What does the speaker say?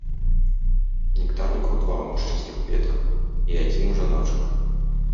Нектарнікаў два ў мужчынскіх кветках, і адзін у жаночых.